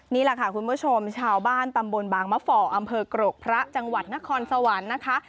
นี่แหละค่ะคุณผู้ชมชาวบ้านตำบลบางมะฝ่ออำเภอกรกพระจังหวัดนครสวรรค์นะคะ